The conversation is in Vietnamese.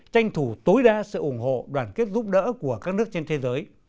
tranh thủ tối đa sự ủng hộ đoàn kết giúp đỡ của các nước trên thế giới